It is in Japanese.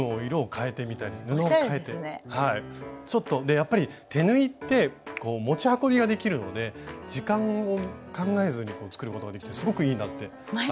やっぱり手縫いって持ち運びができるので時間を考えずに作ることができてすごくいいなって改めて。